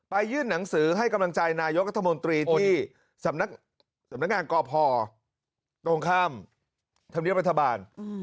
ยื่นหนังสือให้กำลังใจนายกรัฐมนตรีที่สำนักงานกพตรงข้ามธรรมเนียบรัฐบาล